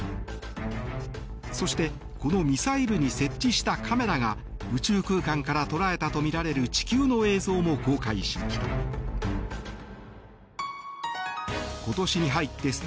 そして、このミサイルに設置したカメラが宇宙空間から捉えたとみられる地球の映像も公開しました。